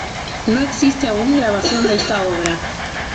No existe aún grabación de esta obra